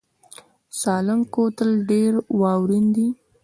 د سالنګ کوتل ډیر واورین دی